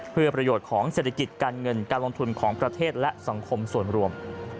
เพื่อประโยชน์ของเศรษฐกิจการเงินการลงทุนของประเทศและสังคมส่วนรวม